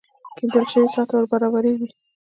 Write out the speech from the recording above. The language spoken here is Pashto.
کېندل شوې څاه ته ور برابرېږي.